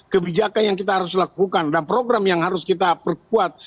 kebijakan yang kita harus lakukan dan program yang harus kita perkuat